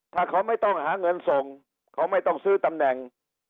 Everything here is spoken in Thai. ถ้าเขาไม่ต้องหาเงินส่งเขาไม่ต้องซื้อตำแหน่ง